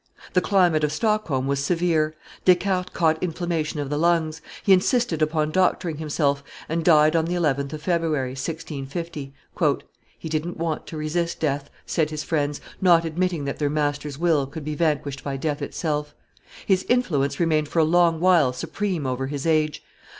The climate of Stockholm was severe; Descartes caught inflammation of the lungs; he insisted upon doctoring himself, and died on the 11th of February, 1650. "He didn't want to resist death," said his friends, not admitting that their master's will could be vanquished by death itself. His influence remained for a long while supreme over his age.